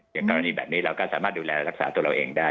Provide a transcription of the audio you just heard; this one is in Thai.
อย่างกรณีแบบนี้เราก็สามารถดูแลรักษาตัวเราเองได้